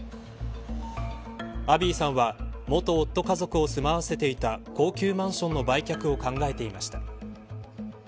アビーさんは元夫家族を住まわせていた高級マンションの売却を考えていました。